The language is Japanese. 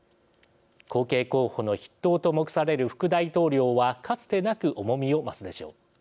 後継候補の筆頭と目される副大統領は、かつてなく重みを増すでしょう。